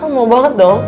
el mau banget dong